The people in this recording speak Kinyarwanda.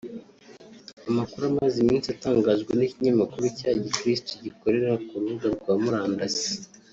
Amakuru amaze iminsi atangajwe n’ ikinyamakuru cya Gikristo gikorera ku rubuga rwa murandasi